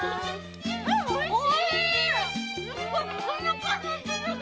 おいしい！